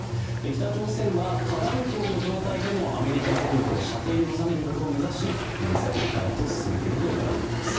北朝鮮は多弾頭の状態でもアメリカ全土を射程に収めることを目指しミサイルの開発を進めているといわれています。